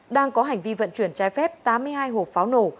đang có hành vi vận chuyển trái phép tám mươi hai hộp pháo nổ